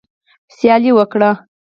سیالي وکړئ